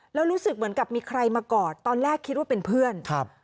แล้วรู้สึกเหมือนกับมีใครมากอดตอนแรกคิดว่าเป็นเพื่อนครับ